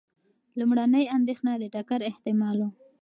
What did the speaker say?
لومړنۍ اندېښنه د ټکر احتمال و.